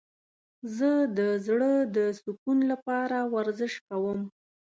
زه د زړه د سکون لپاره ورزش کوم.